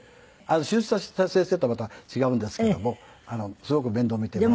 手術をした先生とはまた違うんですけどもすごく面倒を見てもらった。